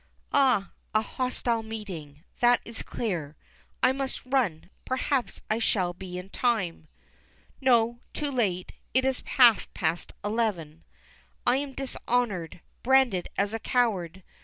Ah, a hostile meeting, that is clear. I must run, perhaps I shall be in time. No, too late; it is half past eleven. I am dishonoured, branded as a coward!